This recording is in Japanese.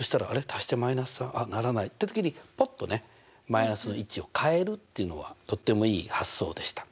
足して−３あっならないって時にポッとねマイナスの位置を変えるっていうのはとってもいい発想でした。